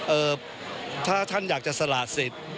เอ่อถ้าท่านอยากจะสละสิทธิ์